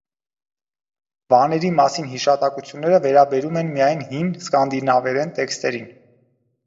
Վաների մասին հիշատակությունները վերաբերում են միայն հին սկանդինավերեն տեքստերին։